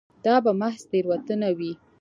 دا به محض تېروتنه وي.